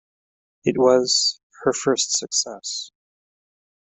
It was...Her first success.